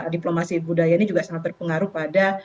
diplomasi budaya ini juga sangat berpengaruh pada